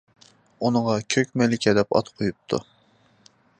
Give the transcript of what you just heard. ئۇنىڭغا «كۆك مەلىكە» دەپ ئات قويۇپتۇ.